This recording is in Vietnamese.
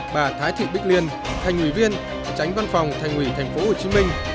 bà thái thị bích liên thành ủy viên tránh văn phòng thành ủy thành phố hồ chí minh